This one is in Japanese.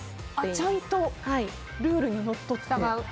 ちゃんとルールにのっとって。